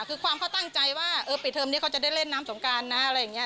คือความเขาตั้งใจว่าปิดเทอมนี้เขาจะได้เล่นน้ำสงการนะอะไรอย่างนี้